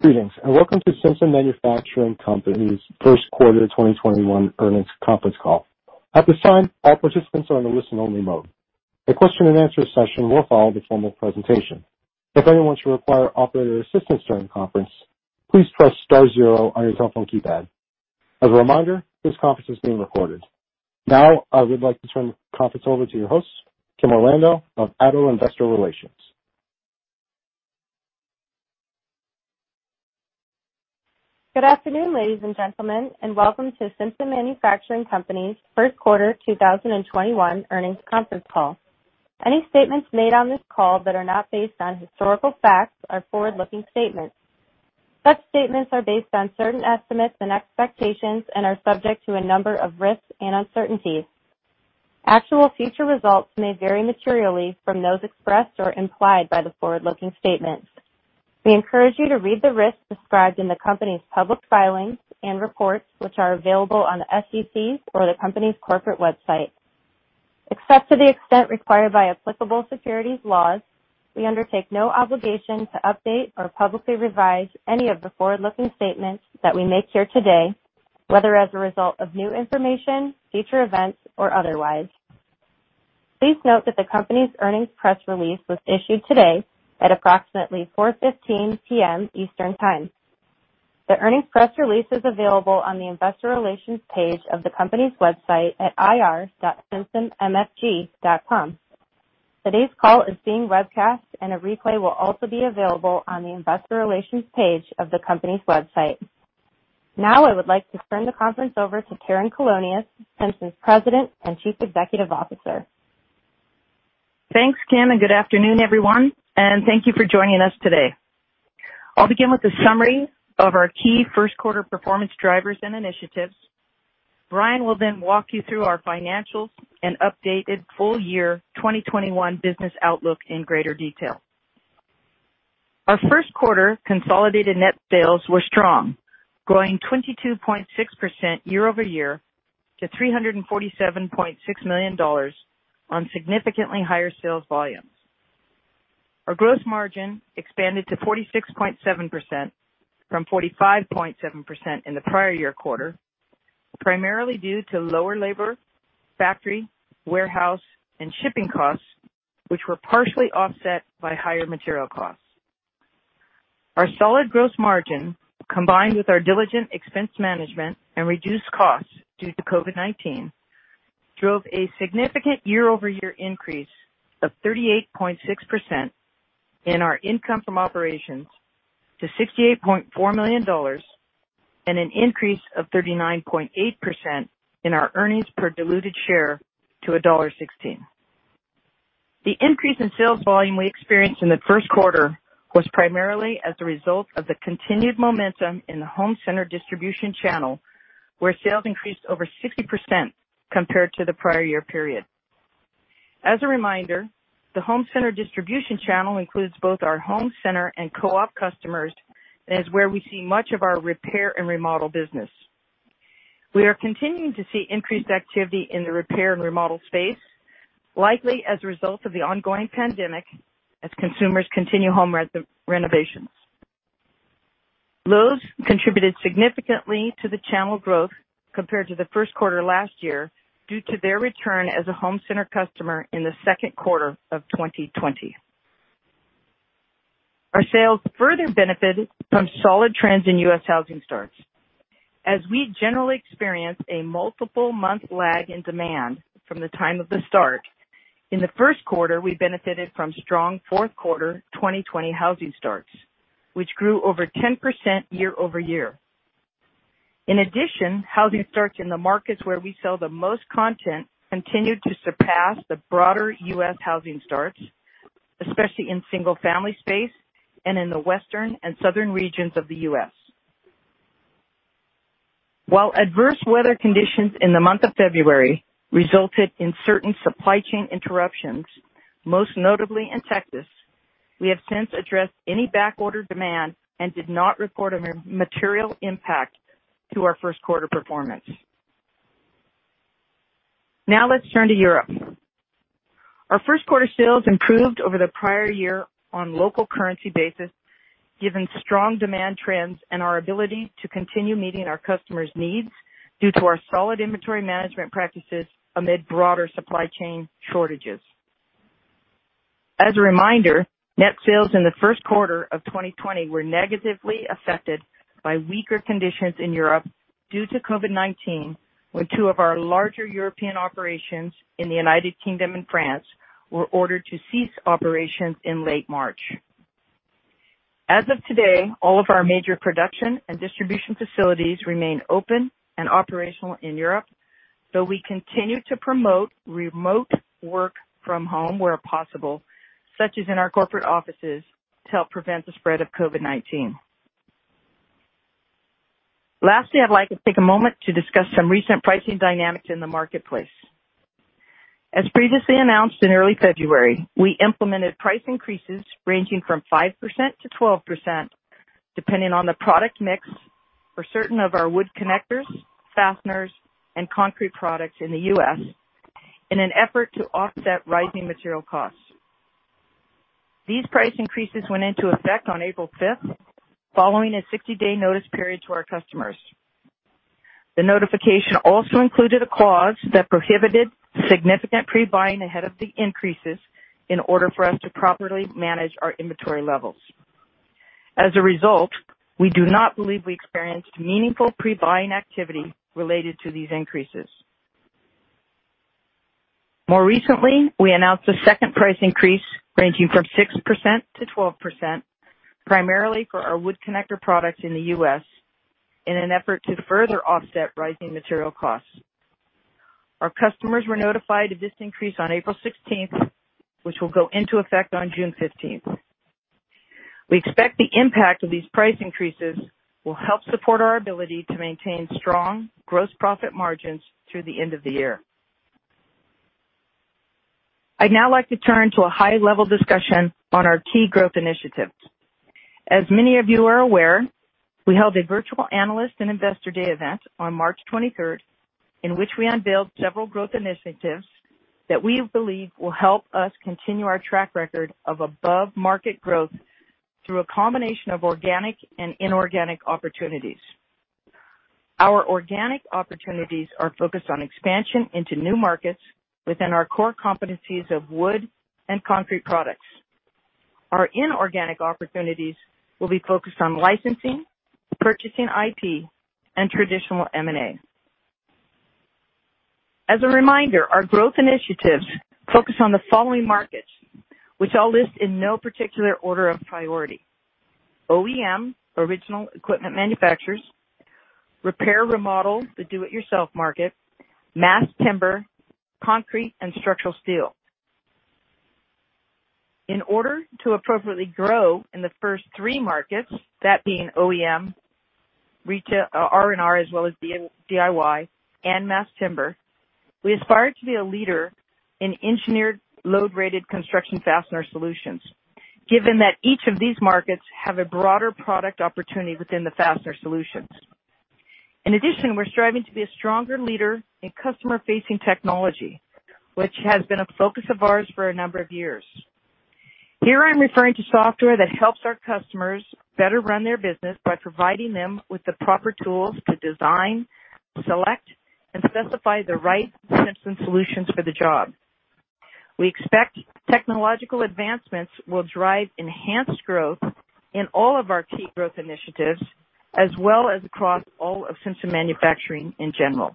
Greetings and welcome to Simpson Manufacturing Company's first quarter 2021 earnings conference call. At this time, all participants are in a listen-only mode. A question-and-answer session will follow the formal presentation. If anyone should require operator assistance during the conference, please press star zero on your cell phone keypad. As a reminder, this conference is being recorded. Now, I would like to turn the conference over to your hosts, Kim Orlando of ADDO Investor Relations. Good afternoon, ladies and gentlemen, and welcome to Simpson Manufacturing Company's first quarter 2021 earnings conference call. Any statements made on this call that are not based on historical facts are forward-looking statements. Such statements are based on certain estimates and expectations and are subject to a number of risks and uncertainties. Actual future results may vary materially from those expressed or implied by the forward-looking statements. We encourage you to read the risks described in the company's public filings and reports, which are available on the SEC's or the company's corporate website. Except to the extent required by applicable securities laws, we undertake no obligation to update or publicly revise any of the forward-looking statements that we make here today, whether as a result of new information, future events, or otherwise. Please note that the company's earnings press release was issued today at approximately 4:15 P.M. Eastern Time. The earnings press release is available on the investor relations page of the company's website at ir.simpsonmfg.com. Today's call is being webcast, and a replay will also be available on the investor relations page of the company's website. Now, I would like to turn the conference over to Karen Colonias, Simpson's President and Chief Executive Officer. Thanks, Kim, and good afternoon, everyone. And thank you for joining us today. I'll begin with a summary of our key first quarter performance drivers and initiatives. Brian will then walk you through our financials and updated full year 2021 business outlook in greater detail. Our first quarter consolidated net sales were strong, growing 22.6% year-over-year to $347.6 million on significantly higher sales volumes. Our gross margin expanded to 46.7% from 45.7% in the prior year quarter, primarily due to lower labor, factory, warehouse, and shipping costs, which were partially offset by higher material costs. Our solid gross margin, combined with our diligent expense management and reduced costs due to COVID-19, drove a significant year-over-year increase of 38.6% in our income from operations to $68.4 million and an increase of 39.8% in our earnings per diluted share to $1.16. The increase in sales volume we experienced in the first quarter was primarily as a result of the continued momentum in the home center distribution channel, where sales increased over 60% compared to the prior year period. As a reminder, the home center distribution channel includes both our home center and co-op customers and is where we see much of our repair and remodel business. We are continuing to see increased activity in the repair and remodel space, likely as a result of the ongoing pandemic as consumers continue home renovations. Lowe's contributed significantly to the channel growth compared to the first quarter last year due to their return as a home center customer in the second quarter of 2020. Our sales further benefited from solid trends in U.S. housing starts. As we generally experience a multiple-month lag in demand from the time of the start, in the first quarter, we benefited from strong fourth quarter 2020 housing starts, which grew over 10% year-over-year. In addition, housing starts in the markets where we sell the most content continued to surpass the broader U.S. housing starts, especially in single-family space and in the western and southern regions of the U.S. While adverse weather conditions in the month of February resulted in certain supply chain interruptions, most notably in Texas, we have since addressed any backorder demand and did not report a material impact to our first quarter performance. Now, let's turn to Europe. Our first quarter sales improved over the prior year on a local currency basis, given strong demand trends and our ability to continue meeting our customers' needs due to our solid inventory management practices amid broader supply chain shortages. As a reminder, net sales in the first quarter of 2020 were negatively affected by weaker conditions in Europe due to COVID-19, when two of our larger European operations in the United Kingdom and France were ordered to cease operations in late March. As of today, all of our major production and distribution facilities remain open and operational in Europe, though we continue to promote remote work from home where possible, such as in our corporate offices, to help prevent the spread of COVID-19. Lastly, I'd like to take a moment to discuss some recent pricing dynamics in the marketplace. As previously announced in early February, we implemented price increases ranging from 5%-12%, depending on the product mix for certain of our wood connectors, fasteners, and concrete products in the U.S., in an effort to offset rising material costs. These price increases went into effect on April 5th, following a 60-day notice period to our customers. The notification also included a clause that prohibited significant pre-buying ahead of the increases in order for us to properly manage our inventory levels. As a result, we do not believe we experienced meaningful pre-buying activity related to these increases. More recently, we announced a second price increase ranging from 6%-12%, primarily for our wood connector products in the U.S., in an effort to further offset rising material costs. Our customers were notified of this increase on April 16th, which will go into effect on June 15th. We expect the impact of these price increases will help support our ability to maintain strong gross profit margins through the end of the year. I'd now like to turn to a high-level discussion on our key growth initiatives. As many of you are aware, we held a Virtual Analyst and Investor Day event on March 23rd, in which we unveiled several growth initiatives that we believe will help us continue our track record of above-market growth through a combination of organic and inorganic opportunities. Our organic opportunities are focused on expansion into new markets within our core competencies of wood and concrete products. Our inorganic opportunities will be focused on licensing, purchasing IP, and traditional M&A. As a reminder, our growth initiatives focus on the following markets, which I'll list in no particular order of priority: OEM, original equipment manufacturers, repair, remodel, the do-it-yourself market, mass timber, concrete, and structural steel. In order to appropriately grow in the first three markets, that being OEM, R&R, as well as DIY, and mass timber, we aspire to be a leader in engineered load-rated construction fastener solutions, given that each of these markets has a broader product opportunity within the fastener solutions. In addition, we're striving to be a stronger leader in customer-facing technology, which has been a focus of ours for a number of years. Here, I'm referring to software that helps our customers better run their business by providing them with the proper tools to design, select, and specify the right Simpson solutions for the job. We expect technological advancements will drive enhanced growth in all of our key growth initiatives, as well as across all of Simpson Manufacturing in general.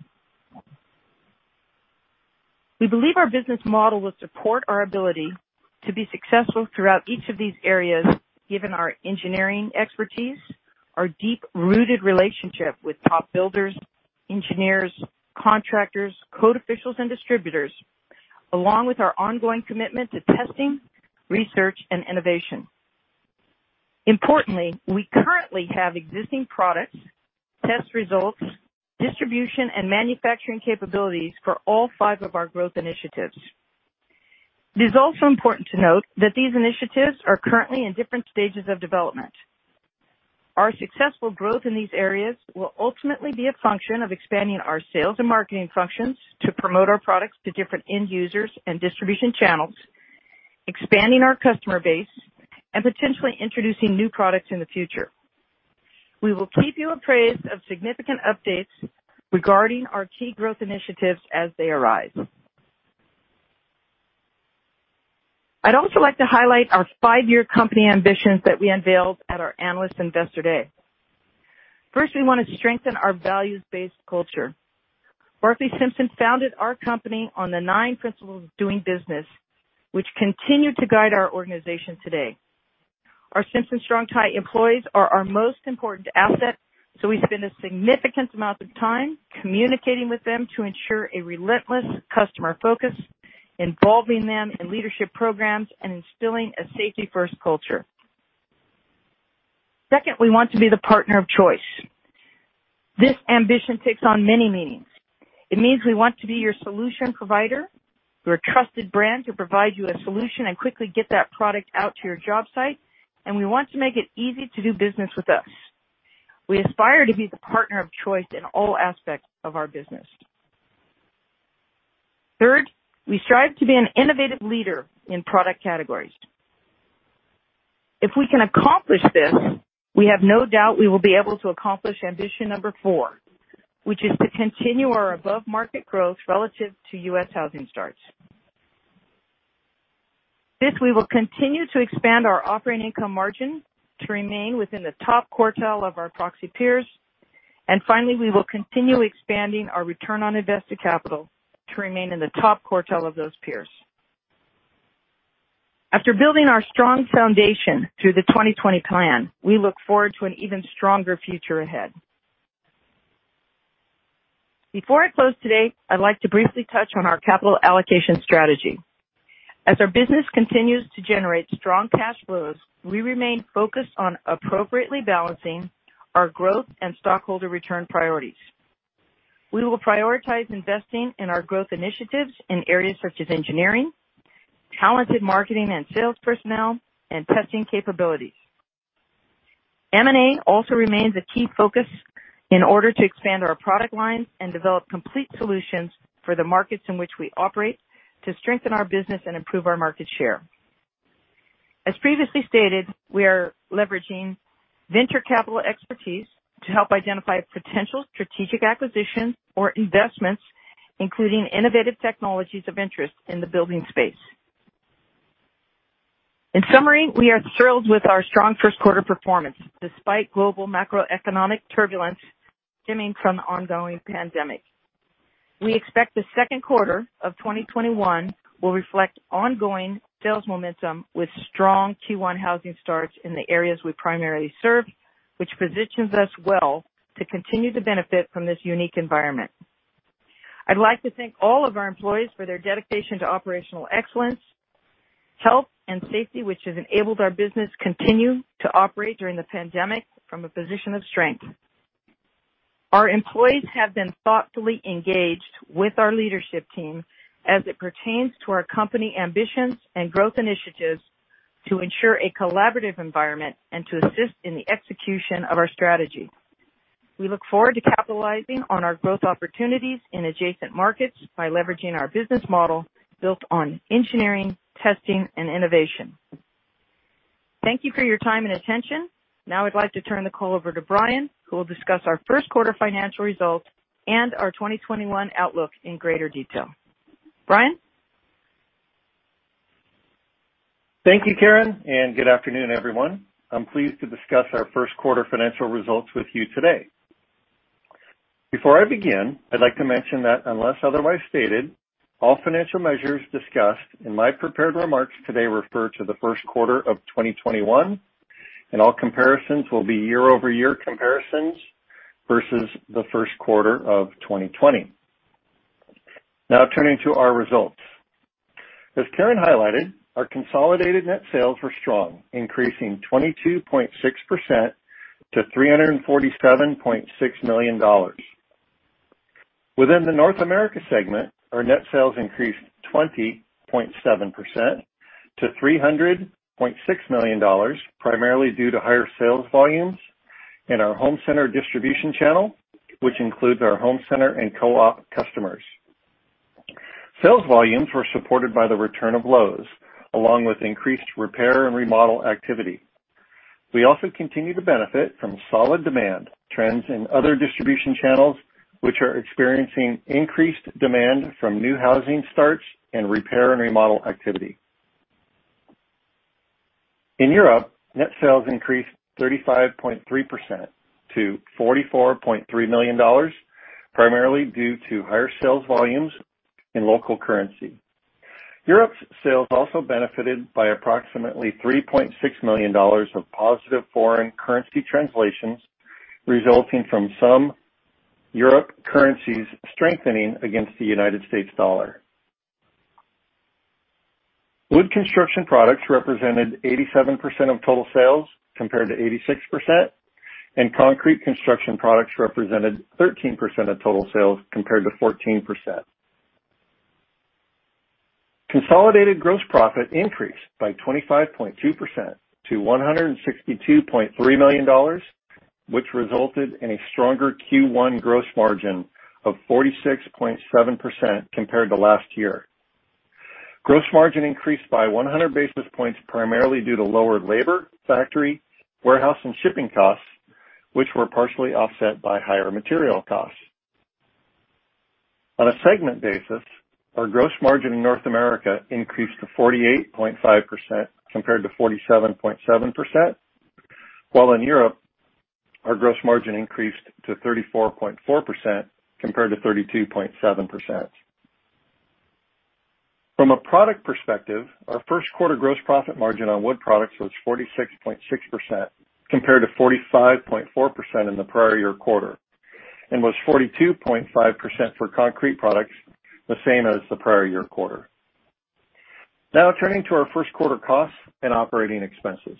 We believe our business model will support our ability to be successful throughout each of these areas, given our engineering expertise, our deep-rooted relationship with top builders, engineers, contractors, code officials, and distributors, along with our ongoing commitment to testing, research, and innovation. Importantly, we currently have existing products, test results, distribution, and manufacturing capabilities for all five of our growth initiatives. It is also important to note that these initiatives are currently in different stages of development. Our successful growth in these areas will ultimately be a function of expanding our sales and marketing functions to promote our products to different end users and distribution channels, expanding our customer base, and potentially introducing new products in the future. We will keep you apprised of significant updates regarding our key growth initiatives as they arise. I'd also like to highlight our five-year company ambitions that we unveiled at our Analyst Investor Day. First, we want to strengthen our values-based culture. Barclay Simpson founded our company on the nine principles of doing business, which continue to guide our organization today. Our Simpson Strong-Tie employees are our most important asset, so we spend a significant amount of time communicating with them to ensure a relentless customer focus, involving them in leadership programs, and instilling a safety-first culture. Second, we want to be the partner of choice. This ambition takes on many meanings. It means we want to be your solution provider, your trusted brand to provide you a solution and quickly get that product out to your job site, and we want to make it easy to do business with us. We aspire to be the partner of choice in all aspects of our business. Third, we strive to be an innovative leader in product categories. If we can accomplish this, we have no doubt we will be able to accomplish ambition number four, which is to continue our above-market growth relative to U.S. housing starts. Fifth, we will continue to expand our operating income margin to remain within the top quartile of our proxy peers. And finally, we will continue expanding our return on invested capital to remain in the top quartile of those peers. After building our strong foundation through the 2020 plan, we look forward to an even stronger future ahead. Before I close today, I'd like to briefly touch on our capital allocation strategy. As our business continues to generate strong cash flows, we remain focused on appropriately balancing our growth and stockholder return priorities. We will prioritize investing in our growth initiatives in areas such as engineering, talented marketing and sales personnel, and testing capabilities. M&A also remains a key focus in order to expand our product lines and develop complete solutions for the markets in which we operate to strengthen our business and improve our market share. As previously stated, we are leveraging venture capital expertise to help identify potential strategic acquisitions or investments, including innovative technologies of interest in the building space. In summary, we are thrilled with our strong first quarter performance despite global macroeconomic turbulence stemming from the ongoing pandemic. We expect the second quarter of 2021 will reflect ongoing sales momentum with strong Q1 housing starts in the areas we primarily serve, which positions us well to continue to benefit from this unique environment. I'd like to thank all of our employees for their dedication to operational excellence, health, and safety, which has enabled our business to continue to operate during the pandemic from a position of strength. Our employees have been thoughtfully engaged with our leadership team as it pertains to our company ambitions and growth initiatives to ensure a collaborative environment and to assist in the execution of our strategy. We look forward to capitalizing on our growth opportunities in adjacent markets by leveraging our business model built on engineering, testing, and innovation. Thank you for your time and attention. Now, I'd like to turn the call over to Brian, who will discuss our first quarter financial results and our 2021 outlook in greater detail. Brian? Thank you, Karen, and good afternoon, everyone. I'm pleased to discuss our first quarter financial results with you today. Before I begin, I'd like to mention that unless otherwise stated, all financial measures discussed in my prepared remarks today refer to the first quarter of 2021, and all comparisons will be year-over-year comparisons versus the first quarter of 2020. Now, turning to our results. As Karen highlighted, our consolidated net sales were strong, increasing 22.6% to $347.6 million. Within the North America segment, our net sales increased 20.7% to $300.6 million, primarily due to higher sales volumes in our home center distribution channel, which includes our home center and co-op customers. Sales volumes were supported by the return of Lowe's, along with increased repair and remodel activity. We also continue to benefit from solid demand trends in other distribution channels, which are experiencing increased demand from new housing starts and repair and remodel activity. In Europe, net sales increased 35.3% to $44.3 million, primarily due to higher sales volumes in local currency. Europe's sales also benefited by approximately $3.6 million of positive foreign currency translations, resulting from some European currencies strengthening against the United States dollar. Wood construction products represented 87% of total sales compared to 86%, and concrete construction products represented 13% of total sales compared to 14%. Consolidated gross profit increased by 25.2% to $162.3 million, which resulted in a stronger Q1 gross margin of 46.7% compared to last year. Gross margin increased by 100 basis points, primarily due to lower labor, factory, warehouse, and shipping costs, which were partially offset by higher material costs. On a segment basis, our gross margin in North America increased to 48.5% compared to 47.7%, while in Europe, our gross margin increased to 34.4% compared to 32.7%. From a product perspective, our first quarter gross profit margin on wood products was 46.6% compared to 45.4% in the prior year quarter, and was 42.5% for concrete products, the same as the prior year quarter. Now, turning to our first quarter costs and operating expenses.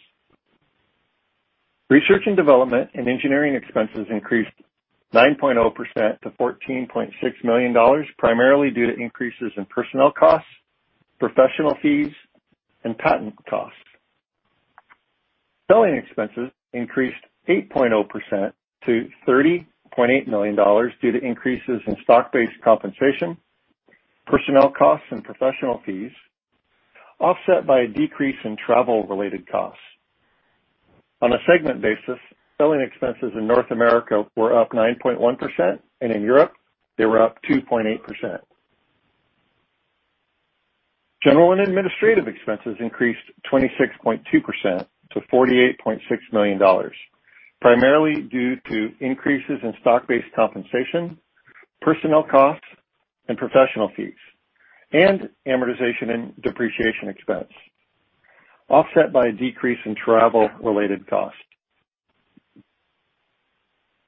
Research and development and engineering expenses increased 9.0% to $14.6 million, primarily due to increases in personnel costs, professional fees, and patent costs. Selling expenses increased 8.0% to $30.8 million due to increases in stock-based compensation, personnel costs, and professional fees, offset by a decrease in travel-related costs. On a segment basis, selling expenses in North America were up 9.1%, and in Europe, they were up 2.8%. General and administrative expenses increased 26.2% to $48.6 million, primarily due to increases in stock-based compensation, personnel costs, and professional fees, and amortization and depreciation expense, offset by a decrease in travel-related costs.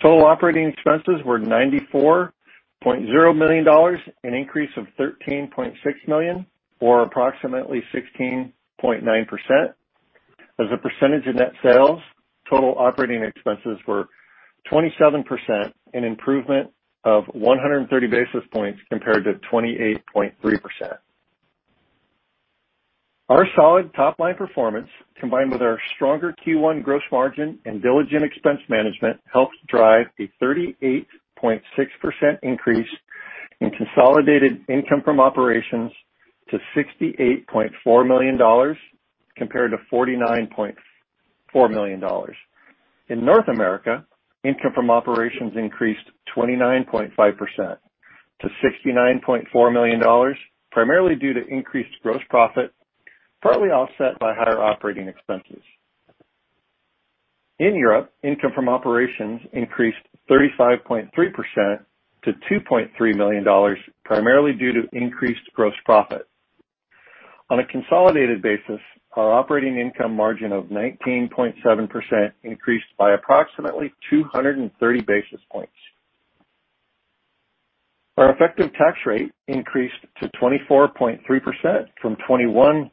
Total operating expenses were $94.0 million, an increase of $13.6 million, or approximately 16.9%. As a percentage of net sales, total operating expenses were 27%, an improvement of 130 basis points compared to 28.3%. Our solid top-line performance, combined with our stronger Q1 gross margin and diligent expense management, helped drive a 38.6% increase in consolidated income from operations to $68.4 million compared to $49.4 million. In North America, income from operations increased 29.5% to $69.4 million, primarily due to increased gross profit, partly offset by higher operating expenses. In Europe, income from operations increased 35.3% to $2.3 million, primarily due to increased gross profit. On a consolidated basis, our operating income margin of 19.7% increased by approximately 230 basis points. Our effective tax rate increased to 24.3% from 21.3%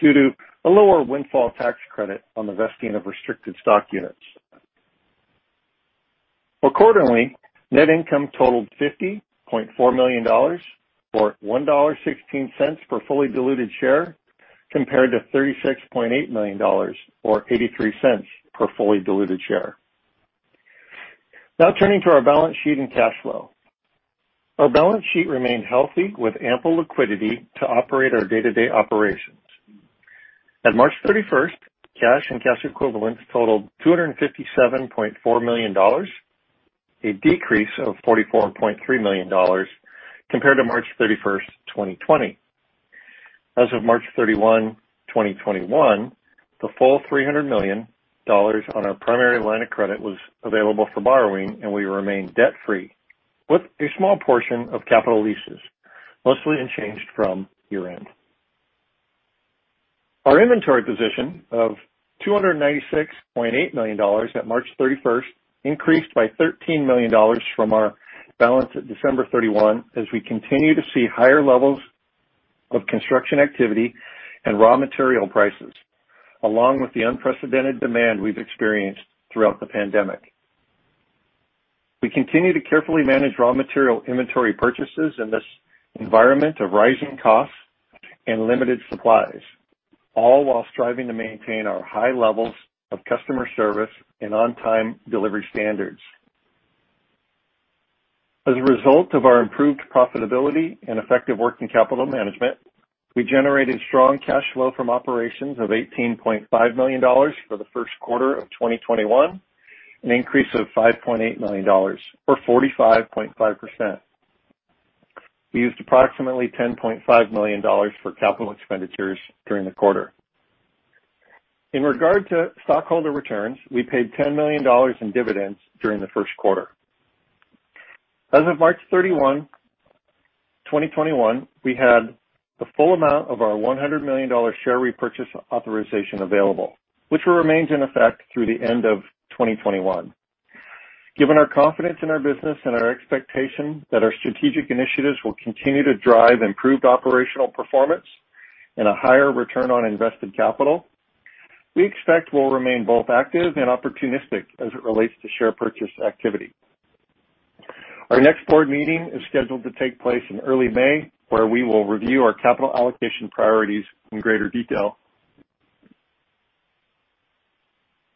due to a lower windfall tax credit on the vesting of restricted stock units. Accordingly, net income totaled $50.4 million, or $1.16 per fully diluted share, compared to $36.8 million, or $0.83 per fully diluted share. Now, turning to our balance sheet and cash flow. Our balance sheet remained healthy with ample liquidity to operate our day-to-day operations. At March 31st, cash and cash equivalents totaled $257.4 million, a decrease of $44.3 million compared to March 31st, 2020. As of March 31, 2021, the full $300 million on our primary line of credit was available for borrowing, and we remained debt-free with a small portion of capital leases, mostly unchanged from year-end. Our inventory position of $296.8 million at March 31st increased by $13 million from our balance at December 31 as we continue to see higher levels of construction activity and raw material prices, along with the unprecedented demand we've experienced throughout the pandemic. We continue to carefully manage raw material inventory purchases in this environment of rising costs and limited supplies, all while striving to maintain our high levels of customer service and on-time delivery standards. As a result of our improved profitability and effective working capital management, we generated strong cash flow from operations of $18.5 million for the first quarter of 2021, an increase of $5.8 million, or 45.5%. We used approximately $10.5 million for capital expenditures during the quarter. In regard to stockholder returns, we paid $10 million in dividends during the first quarter. As of March 31, 2021, we had the full amount of our $100 million share repurchase authorization available, which remains in effect through the end of 2021. Given our confidence in our business and our expectation that our strategic initiatives will continue to drive improved operational performance and a higher return on invested capital, we expect we'll remain both active and opportunistic as it relates to share purchase activity. Our next board meeting is scheduled to take place in early May, where we will review our capital allocation priorities in greater detail.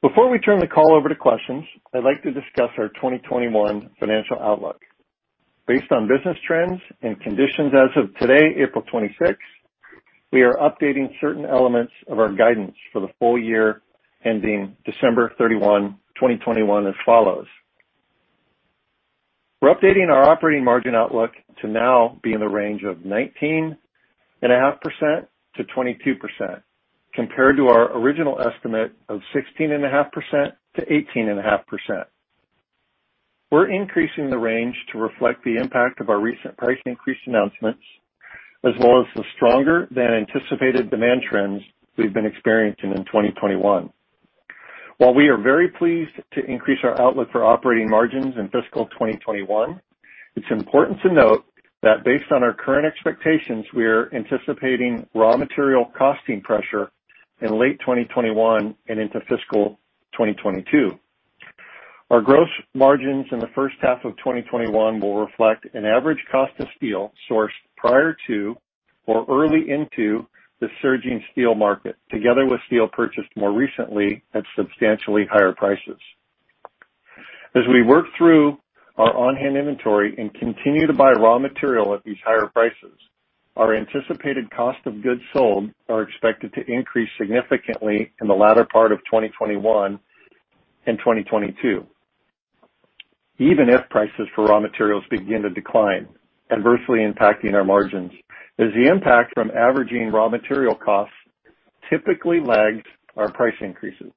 Before we turn the call over to questions, I'd like to discuss our 2021 financial outlook. Based on business trends and conditions as of today, April 26th, we are updating certain elements of our guidance for the full year ending December 31, 2021, as follows. We're updating our operating margin outlook to now be in the range of 19.5%-22%, compared to our original estimate of 16.5%-18.5%. We're increasing the range to reflect the impact of our recent price increase announcements, as well as the stronger-than-anticipated demand trends we've been experiencing in 2021. While we are very pleased to increase our outlook for operating margins in fiscal 2021, it's important to note that based on our current expectations, we are anticipating raw material costing pressure in late 2021 and into fiscal 2022. Our gross margins in the first half of 2021 will reflect an average cost of steel sourced prior to or early into the surging steel market, together with steel purchased more recently at substantially higher prices. As we work through our on-hand inventory and continue to buy raw material at these higher prices, our anticipated cost of goods sold are expected to increase significantly in the latter part of 2021 and 2022, even if prices for raw materials begin to decline, adversely impacting our margins, as the impact from averaging raw material costs typically lags our price increases.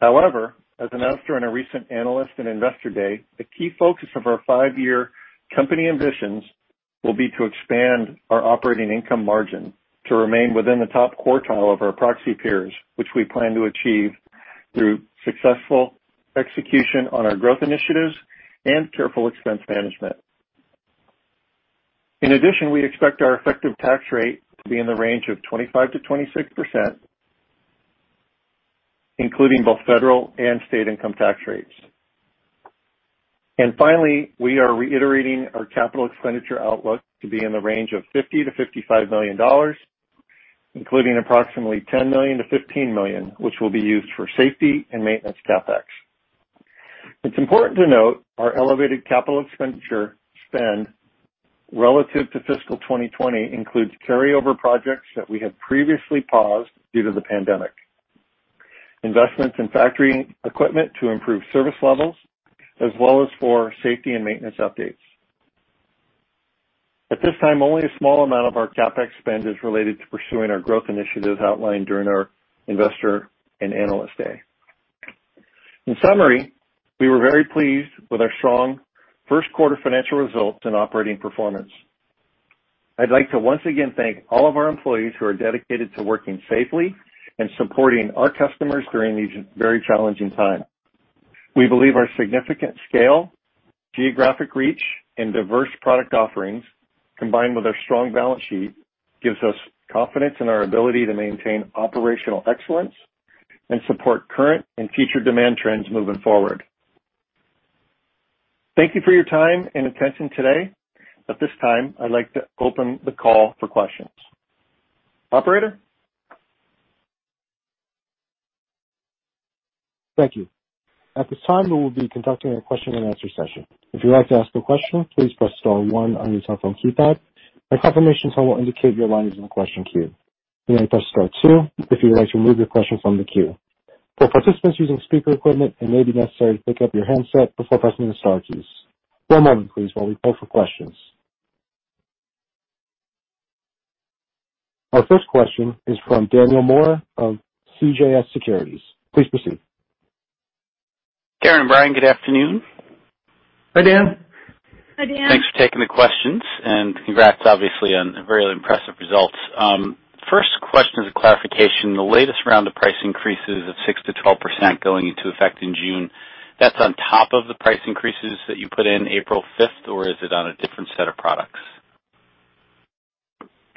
However, as announced during a recent analyst and investor day, the key focus of our five-year company ambitions will be to expand our operating income margin to remain within the top quartile of our proxy peers, which we plan to achieve through successful execution on our growth initiatives and careful expense management. In addition, we expect our effective tax rate to be in the range of 25%-26%, including both federal and state income tax rates, and finally, we are reiterating our capital expenditure outlook to be in the range of $50 million-$55 million, including approximately $10 million-$15 million, which will be used for safety and maintenance CapEx. It's important to note our elevated capital expenditure spend relative to fiscal 2020 includes carryover projects that we have previously paused due to the pandemic, investments in factory equipment to improve service levels, as well as for safety and maintenance updates. At this time, only a small amount of our CapEx spend is related to pursuing our growth initiatives outlined during our investor and analyst day. In summary, we were very pleased with our strong first quarter financial results and operating performance. I'd like to once again thank all of our employees who are dedicated to working safely and supporting our customers during these very challenging times. We believe our significant scale, geographic reach, and diverse product offerings, combined with our strong balance sheet, gives us confidence in our ability to maintain operational excellence and support current and future demand trends moving forward. Thank you for your time and attention today. At this time, I'd like to open the call for questions. Operator? Thank you. At this time, we will be conducting a question-and-answer session. If you'd like to ask a question, please press star one on your cell phone keypad. A confirmation tone will indicate your line is in the question queue. You may press star two if you'd like to remove your question from the queue. For participants using speaker equipment, it may be necessary to pick up your handset before pressing the star keys. One moment, please, while we pull for questions. Our first question is from Daniel Moore of CJS Securities. Please proceed. Karen, Brian, good afternoon. Hi, Dan. Hi, Dan. Thanks for taking the questions, and congrats, obviously, on very impressive results. First question is a clarification. The latest round of price increases of 6%-12% going into effect in June, that's on top of the price increases that you put in April 5th, or is it on a different set of products?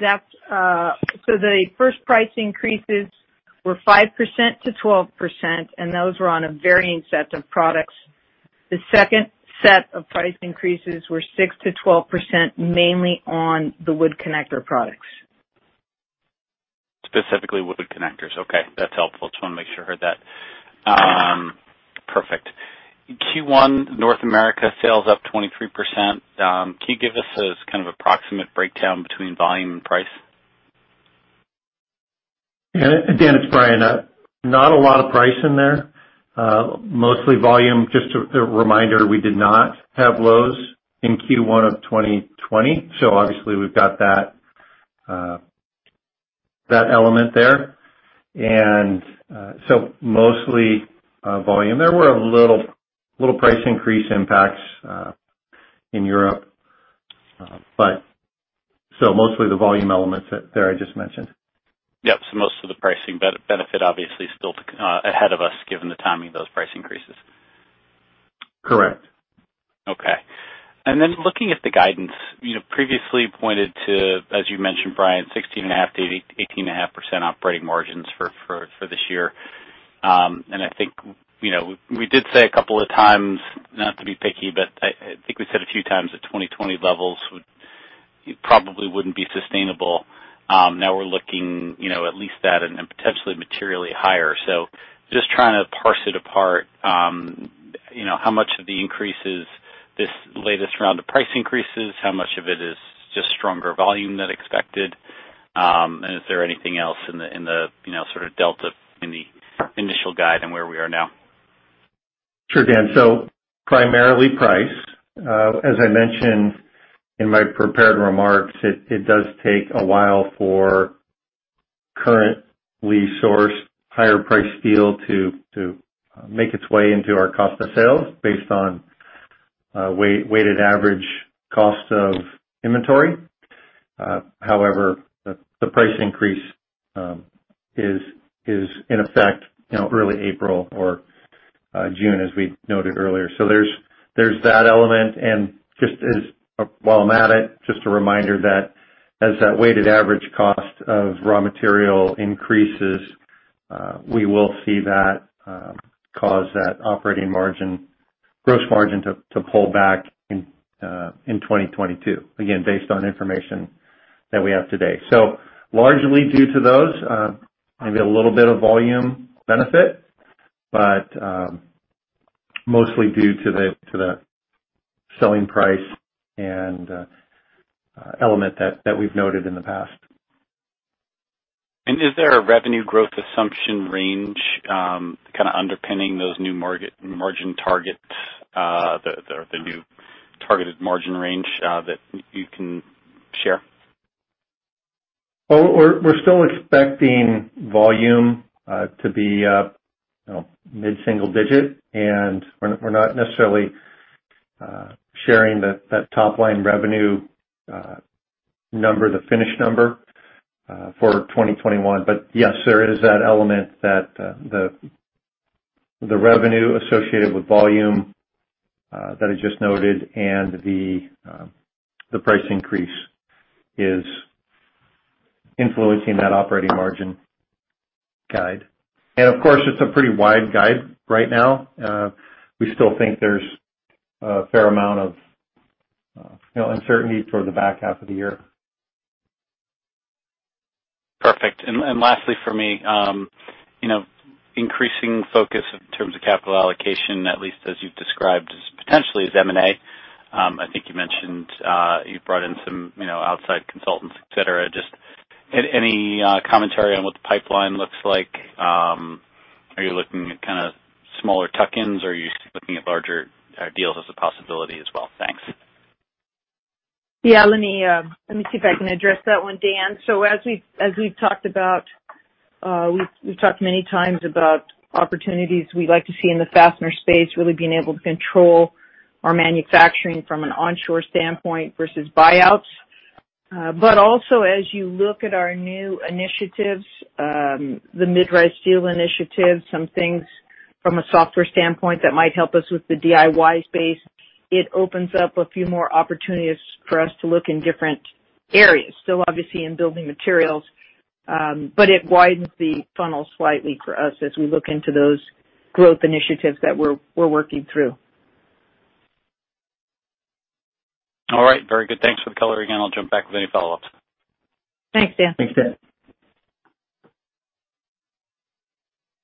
So the first price increases were 5%-12%, and those were on a varying set of products. The second set of price increases were 6%-12%, mainly on the wood connector products. Specifically, wood connectors. Okay. That's helpful. Just wanted to make sure I heard that. Perfect. Q1, North America sales up 23%. Can you give us a kind of approximate breakdown between volume and price? Again, it's Brian at. Not a lot of price in there. Mostly volume. Just a reminder, we did not have Lowe's in Q1 of 2020, so obviously, we've got that element there. And so mostly volume. There were a little price increase impacts in Europe, but so mostly the volume elements that I just mentioned. Yep. So most of the pricing benefit, obviously, is still ahead of us given the timing of those price increases. Correct. Okay. And then looking at the guidance, you previously pointed to, as you mentioned, Brian, 16.5%-18.5% operating margins for this year. And I think we did say a couple of times, not to be picky, but I think we said a few times that 2020 levels probably wouldn't be sustainable. Now we're looking at least that and potentially materially higher. So just trying to parse it apart, how much of the increase is this latest round of price increases? How much of it is just stronger volume than expected? And is there anything else in the sort of delta in the initial guide and where we are now? Sure, Dan. So primarily price. As I mentioned in my prepared remarks, it does take a while for currently sourced higher-priced steel to make its way into our cost of sales based on weighted average cost of inventory. However, the price increase is in effect early April or June, as we noted earlier. So there's that element. Just while I'm at it, just a reminder that as that weighted average cost of raw material increases, we will see that cause that operating margin, gross margin to pull back in 2022, again, based on information that we have today. Largely due to those, maybe a little bit of volume benefit, but mostly due to the selling price and element that we've noted in the past. Is there a revenue growth assumption range kind of underpinning those new margin targets, the new targeted margin range that you can share? We're still expecting volume to be mid-single digit, and we're not necessarily sharing that top-line revenue number, the finished number for 2021. Yes, there is that element that the revenue associated with volume that I just noted and the price increase is influencing that operating margin guide. And of course, it's a pretty wide guide right now. We still think there's a fair amount of uncertainty toward the back half of the year. Perfect. And lastly for me, increasing focus in terms of capital allocation, at least as you've described potentially as M&A. I think you mentioned you brought in some outside consultants, etc. Just any commentary on what the pipeline looks like? Are you looking at kind of smaller tuck-ins, or are you looking at larger deals as a possibility as well? Thanks. Yeah. Let me see if I can address that one, Dan. So as we've talked about, we've talked many times about opportunities we'd like to see in the fastener space, really being able to control our manufacturing from an onshore standpoint versus buyouts. But also, as you look at our new initiatives, the Mid-Rise Steel initiative, some things from a software standpoint that might help us with the DIY space, it opens up a few more opportunities for us to look in different areas, still obviously in building materials, but it widens the funnel slightly for us as we look into those growth initiatives that we're working through. All right. Very good. Thanks for the color again. I'll jump back with any follow-ups. Thanks, Dan. Thanks, Dan.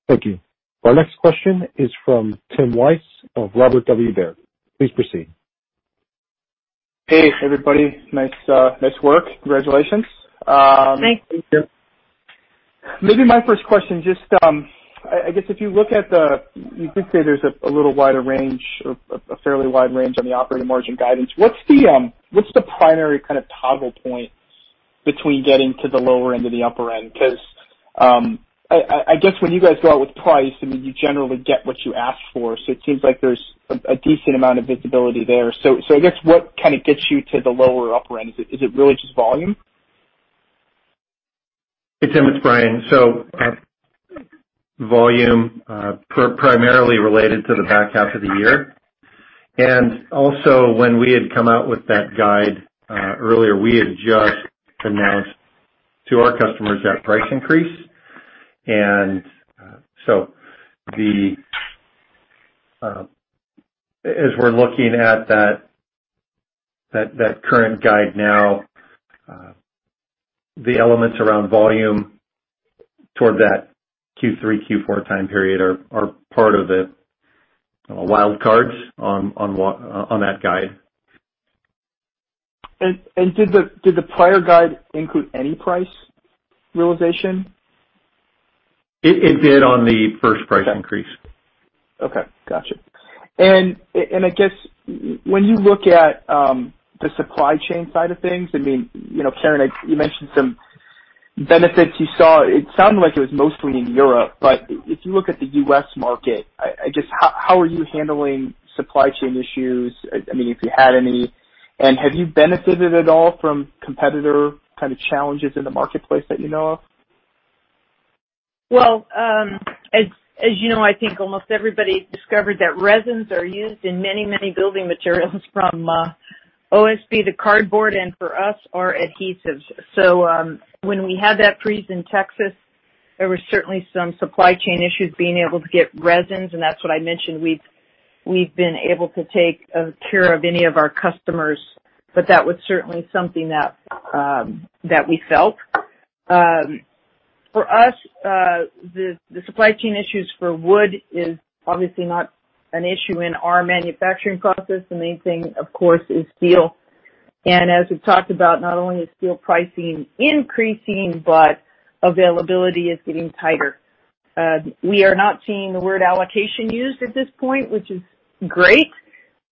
Thank you. Our next question is from Tim Wojs of Robert W. Baird. Please proceed. Hey, everybody. Nice work. Congratulations. Thank you. Maybe my first question, just I guess if you look at the, you did say there's a little wider range, a fairly wide range on the operating margin guidance. What's the primary kind of toggle point between getting to the lower end and the upper end? Because I guess when you guys go out with price, I mean, you generally get what you ask for. So it seems like there's a decent amount of visibility there. So I guess what kind of gets you to the lower or upper end? Is it really just volume? Hey, Tim. It's Brian. So volume primarily related to the back half of the year. And also, when we had come out with that guide earlier, we had just announced to our customers that price increase. And so as we're looking at that current guide now, the elements around volume toward that Q3, Q4 time period are part of the wild cards on that guide. And did the prior guide include any price realization? It did on the first price increase. Okay. Gotcha. And I guess when you look at the supply chain side of things, I mean, Karen, you mentioned some benefits you saw. It sounded like it was mostly in Europe, but if you look at the U.S. market, I guess how are you handling supply chain issues? I mean, if you had any. And have you benefited at all from competitor kind of challenges in the marketplace that you know of? Well, as you know, I think almost everybody discovered that resins are used in many, many building materials from OSB to cardboard, and for us, our adhesives. So when we had that freeze in Texas, there were certainly some supply chain issues being able to get resins. And that's what I mentioned. We've been able to take care of any of our customers, but that was certainly something that we felt. For us, the supply chain issues for wood is obviously not an issue in our manufacturing process. The main thing, of course, is steel, and as we've talked about, not only is steel pricing increasing, but availability is getting tighter. We are not seeing the word allocation used at this point, which is great,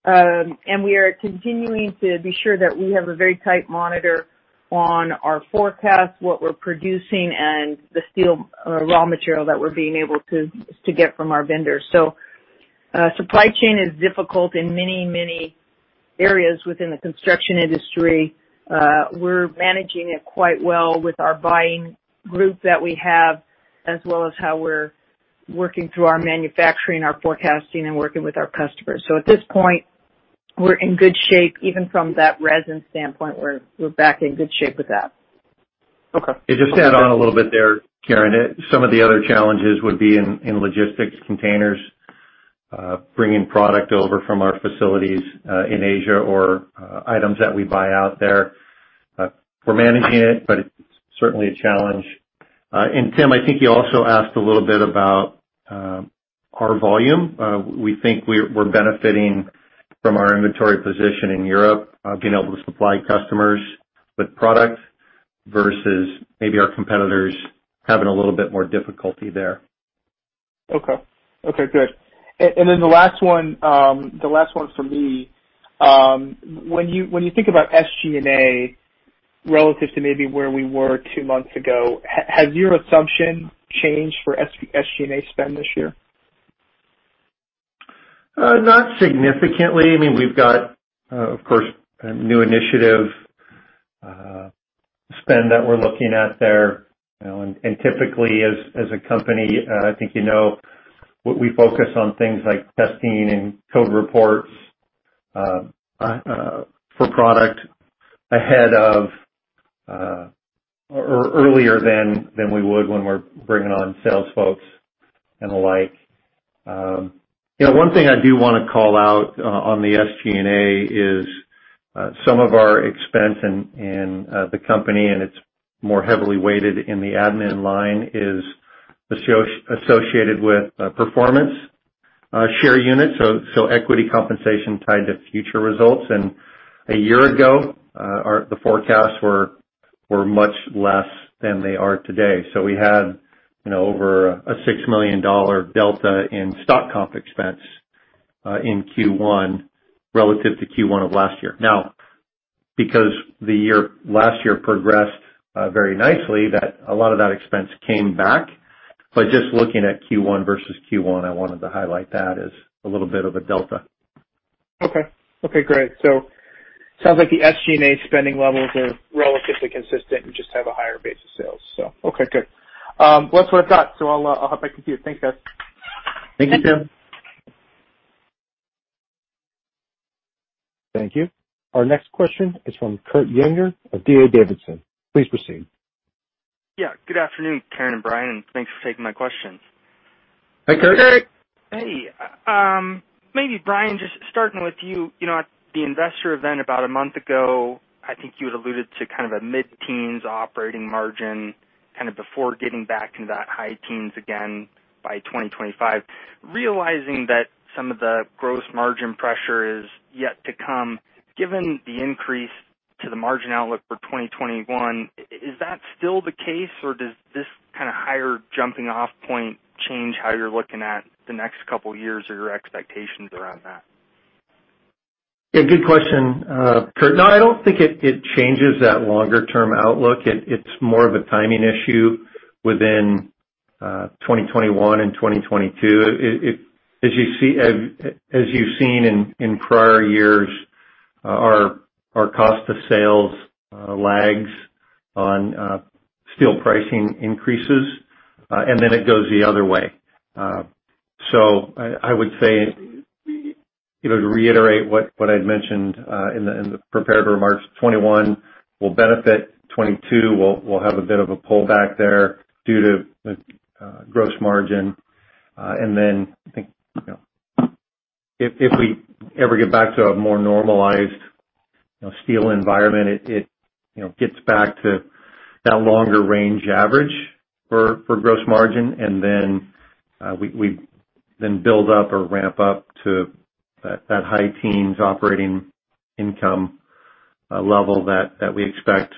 and we are continuing to be sure that we have a very tight monitor on our forecast, what we're producing, and the steel raw material that we're being able to get from our vendors. So supply chain is difficult in many, many areas within the construction industry. We're managing it quite well with our buying group that we have, as well as how we're working through our manufacturing, our forecasting, and working with our customers, so at this point, we're in good shape even from that resin standpoint. We're back in good shape with that. Okay. Just to add on a little bit there, Karen, some of the other challenges would be in logistics, containers, bringing product over from our facilities in Asia or items that we buy out there. We're managing it, but it's certainly a challenge. And Tim, I think you also asked a little bit about our volume. We think we're benefiting from our inventory position in Europe, being able to supply customers with product versus maybe our competitors having a little bit more difficulty there. Okay. Okay. Good. And then the last one for me, when you think about SG&A relative to maybe where we were two months ago, has your assumption changed for SG&A spend this year? Not significantly. I mean, we've got, of course, a new initiative spend that we're looking at there. Typically, as a company, I think you know we focus on things like testing and code reports for product ahead of or earlier than we would when we're bringing on sales folks and the like. One thing I do want to call out on the SG&A is some of our expense in the company, and it's more heavily weighted in the admin line, is associated with performance share units, so equity compensation tied to future results. A year ago, the forecasts were much less than they are today. We had over a $6 million delta in stock comp expense in Q1 relative to Q1 of last year. Now, because last year progressed very nicely, a lot of that expense came back. But just looking at Q1 versus Q1, I wanted to highlight that as a little bit of a delta. Okay. Okay. Great. So it sounds like the SG&A spending levels are relatively consistent. You just have a higher base of sales, so. Okay. Good. Well, that's what I've got. So I'll hop back in with you. Thanks, guys. Thank you, Tim. Thank you. Our next question is from Kurt Yinger of D.A. Davidson. Please proceed. Yeah. Good afternoon, Karen and Brian. And thanks for taking my questions. Hi, Kurt. Hey. Hey. Maybe Brian, just starting with you. At the investor event about a month ago, I think you had alluded to kind of a mid-teens operating margin kind of before getting back into that high teens again by 2025, realizing that some of the gross margin pressure is yet to come. Given the increase to the margin outlook for 2021, is that still the case, or does this kind of higher jumping-off point change how you're looking at the next couple of years or your expectations around that? Yeah. Good question, Kurt. No, I don't think it changes that longer-term outlook. It's more of a timing issue within 2021 and 2022. As you've seen in prior years, our cost of sales lags on steel pricing increases, and then it goes the other way. So I would say to reiterate what I'd mentioned in the prepared remarks, 2021 will benefit, 2022 will have a bit of a pullback there due to gross margin. And then I think if we ever get back to a more normalized steel environment, it gets back to that longer range average for gross margin, and then we then build up or ramp up to that high teens operating income level that we expect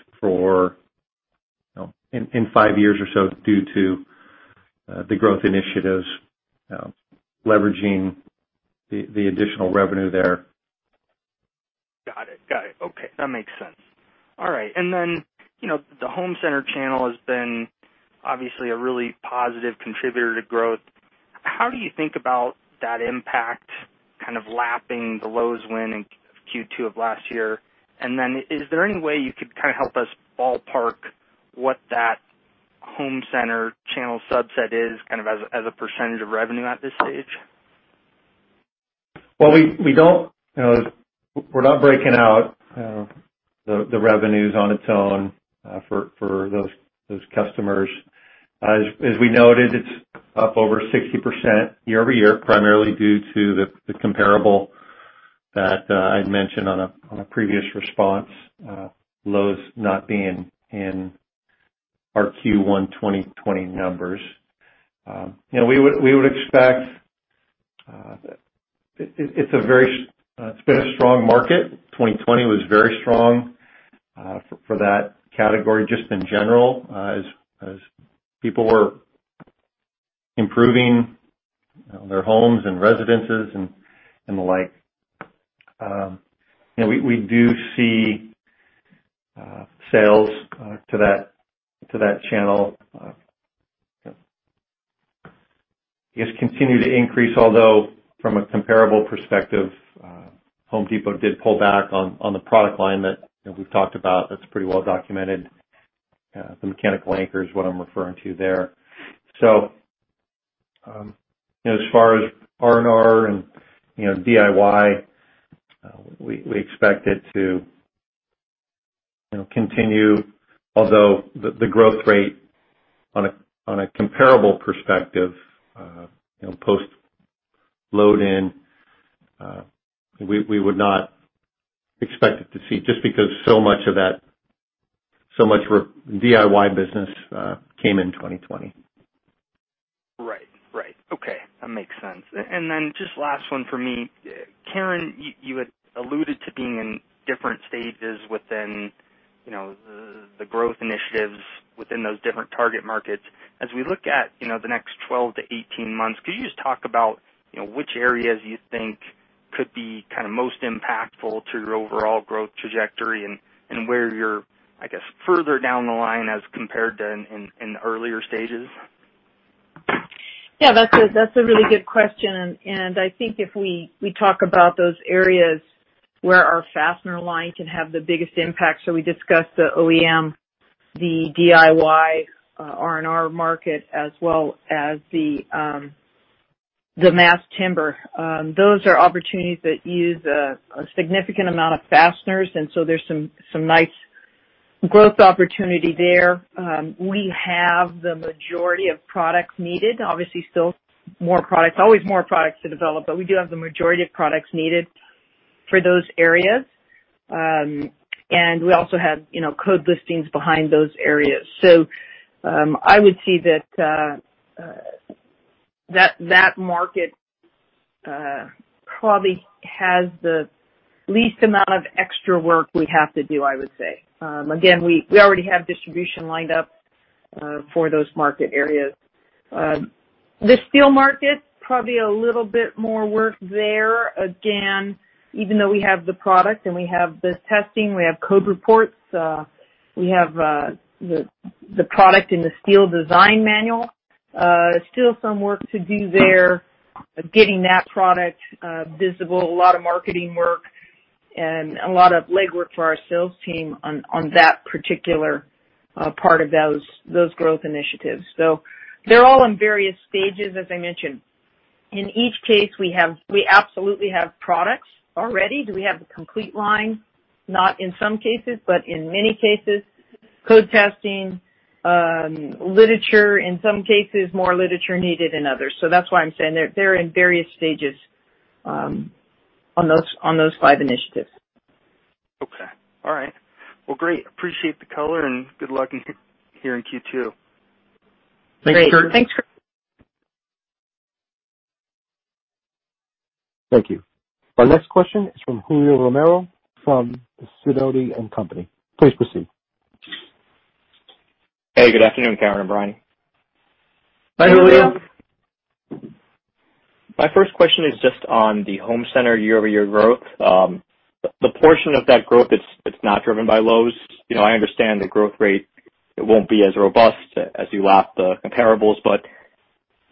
in five years or so due to the growth initiatives leveraging the additional revenue there. Got it. Got it. Okay. That makes sense. All right. And then the home center channel has been obviously a really positive contributor to growth. How do you think about that impact kind of lapping the lows when in Q2 of last year? And then is there any way you could kind of help us ballpark what that home center channel subset is kind of as a percentage of revenue at this stage? Well, we're not breaking out the revenues on its own for those customers. As we noted, it's up over 60% year-over-year, primarily due to the comparable that I'd mentioned on a previous response, Lowe's not being in our Q1 2020 numbers. We would expect it's been a strong market. 2020 was very strong for that category just in general as people were improving their homes and residences and the like. We do see sales to that channel, I guess, continue to increase, although from a comparable perspective, Home Depot did pull back on the product line that we've talked about that's pretty well documented, the mechanical anchor is what I'm referring to there. So as far as R&R and DIY, we expect it to continue, although the growth rate on a comparable perspective, post-Lowe's in, we would not expect it to see just because so much of that, so much DIY business came in 2020. Right. Right. Okay. That makes sense. And then just last one for me. Karen, you had alluded to being in different stages within the growth initiatives within those different target markets. As we look at the next 12-18 months, could you just talk about which areas you think could be kind of most impactful to your overall growth trajectory and where you're, I guess, further down the line as compared to in earlier stages? Yeah. That's a really good question. And I think if we talk about those areas where our fastener line can have the biggest impact. So we discussed the OEM, the DIY, R&R market, as well as the mass timber. Those are opportunities that use a significant amount of fasteners, and so there's some nice growth opportunity there. We have the majority of products needed, obviously still more products, always more products to develop, but we do have the majority of products needed for those areas, and we also have code listings behind those areas, so I would see that that market probably has the least amount of extra work we have to do, I would say. Again, we already have distribution lined up for those market areas. The steel market, probably a little bit more work there. Again, even though we have the product and we have the testing, we have code reports, we have the product in the steel design manual, still some work to do there, getting that product visible, a lot of marketing work, and a lot of legwork for our sales team on that particular part of those growth initiatives, so they're all in various stages, as I mentioned. In each case, we absolutely have products already. Do we have the complete line? Not in some cases, but in many cases, code testing, literature, in some cases, more literature needed in others. So that's why I'm saying they're in various stages on those five initiatives. Okay. All right. Well, great. Appreciate the color and good luck here in Q2. Thanks, Kurt. Thanks, Kurt. Thank you. Our next question is from Julio Romero from Sidoti & Company. Please proceed. Hey, good afternoon, Karen and Brian. Hi, Julio. My first question is just on the home center year-over-year growth. The portion of that growth that's not driven by Lowe's, I understand the growth rate won't be as robust as you lapped the comparables, but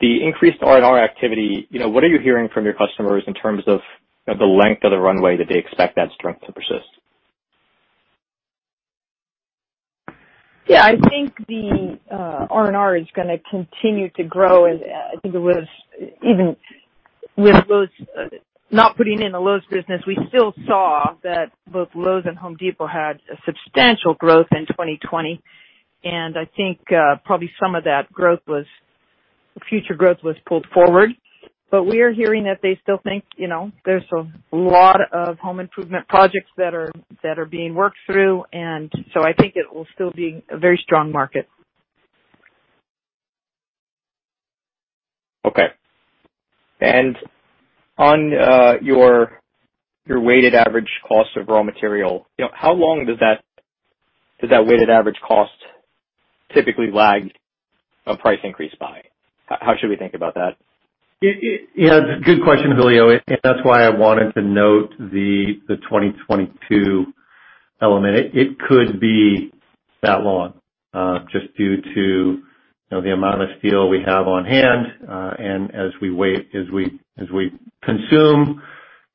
the increased R&R activity, what are you hearing from your customers in terms of the length of the runway that they expect that strength to persist? Yeah. I think the R&R is going to continue to grow, and I think it was even with not putting in the Lowe's business, we still saw that both Lowe's and Home Depot had substantial growth in 2020. And I think probably some of that growth was future growth pulled forward. But we are hearing that they still think there's a lot of home improvement projects that are being worked through. And so I think it will still be a very strong market. Okay. And on your weighted average cost of raw material, how long does that weighted average cost typically lag a price increase by? How should we think about that? Yeah. Good question, Julio. And that's why I wanted to note the 2022 element. It could be that long just due to the amount of steel we have on hand. And as we wait, as we consume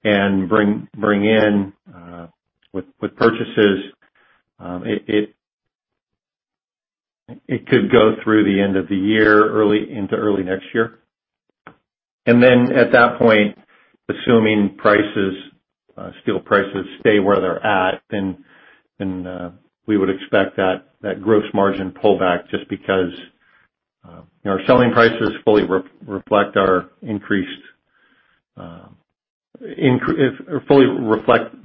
and bring in with purchases, it could go through the end of the year, early into early next year. And then at that point, assuming steel prices stay where they're at, then we would expect that gross margin pullback just because our selling prices fully reflect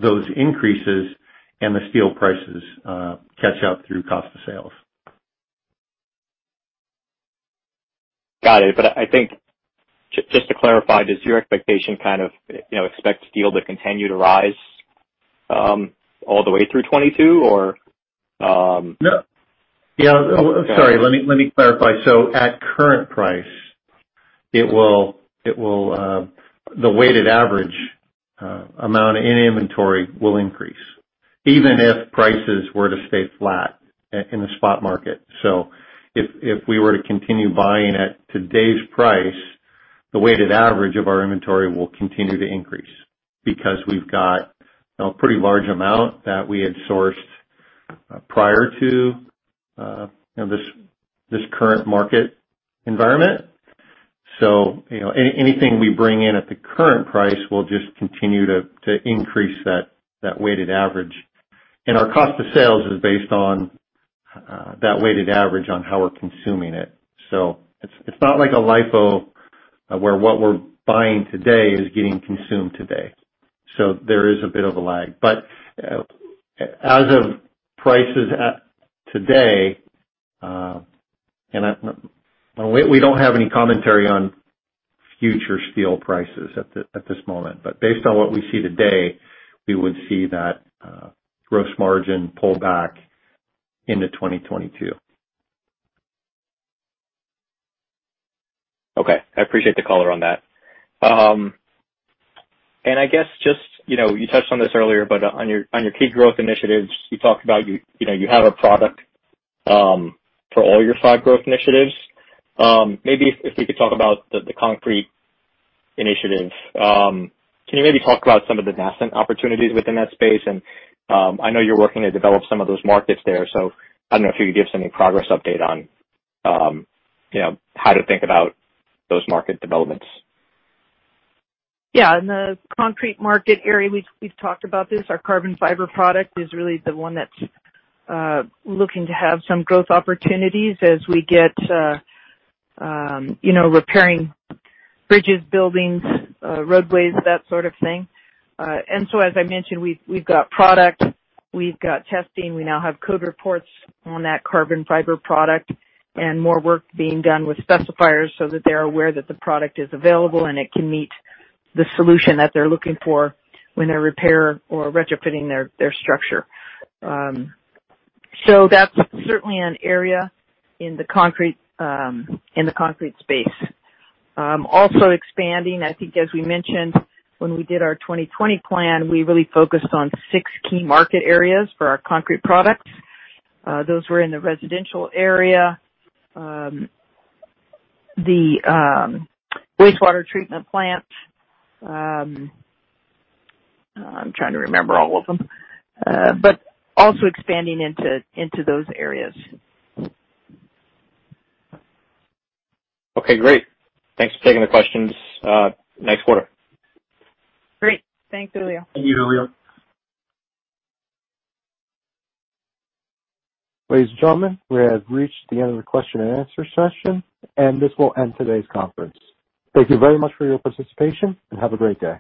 those increases and the steel prices catch up through cost of sales. Got it. But I think just to clarify, does your expectation kind of expect steel to continue to rise all the way through 2022, or? Yeah. Yeah. Sorry. Let me clarify. So at current price, the weighted average amount in inventory will increase even if prices were to stay flat in the spot market. So if we were to continue buying at today's price, the weighted average of our inventory will continue to increase because we've got a pretty large amount that we had sourced prior to this current market environment. So anything we bring in at the current price will just continue to increase that weighted average. And our cost of sales is based on that weighted average on how we're consuming it. So it's not like a LIFO where what we're buying today is getting consumed today. So there is a bit of a lag. But as of prices today, and we don't have any commentary on future steel prices at this moment, but based on what we see today, we would see that gross margin pullback into 2022. Okay. I appreciate the color on that. I guess just you touched on this earlier, but on your key growth initiatives, you talked about you have a product for all your five growth initiatives. Maybe if we could talk about the concrete initiative, can you maybe talk about some of the nascent opportunities within that space? And I know you're working to develop some of those markets there. So I don't know if you could give us any progress update on how to think about those market developments. Yeah. In the concrete market area, we've talked about this. Our carbon fiber product is really the one that's looking to have some growth opportunities as we get repairing bridges, buildings, roadways, that sort of thing. And so, as I mentioned, we've got product. We've got testing. We now have code reports on that carbon fiber product and more work being done with specifiers so that they're aware that the product is available and it can meet the solution that they're looking for when they're repairing or retrofitting their structure. So that's certainly an area in the concrete space. Also expanding, I think, as we mentioned, when we did our 2020 plan, we really focused on six key market areas for our concrete products. Those were in the residential area, the wastewater treatment plant. I'm trying to remember all of them, but also expanding into those areas. Okay. Great. Thanks for taking the questions. Nice quarter. Great. Thanks, Julio. Thank you, Julio. Ladies and gentlemen, we have reached the end of the question and answer session, and this will end today's conference. Thank you very much for your participation, and have a great day.